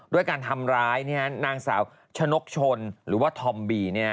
ด้วยการทำร้ายนางสาวชนกชนหรือว่าธอมบี